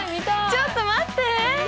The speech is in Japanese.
ちょっと待って。